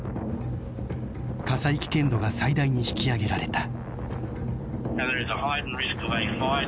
火災危険度が最大に引き上げられた。